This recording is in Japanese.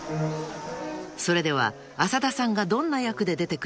［それでは浅田さんがどんな役で出てくるか？］